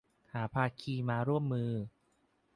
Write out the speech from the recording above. หาภาคีมาร่วมมือ